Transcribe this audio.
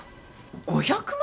５００万！？